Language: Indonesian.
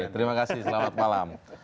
terima kasih selamat malam